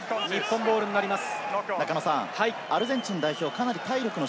日本ボールになります。